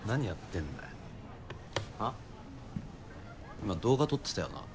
今動画撮ってたよな？